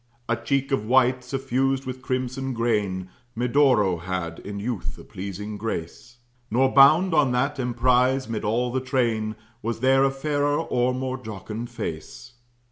A cheek of white, suffused with crimson grain, Medoro had, in youth, a pleasing grace; Nor bound on that emprize, 'mid all the train, Was there a fairer or more jocund face.